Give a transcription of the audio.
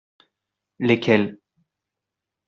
Lesquelles ?